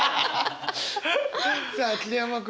さあ桐山君。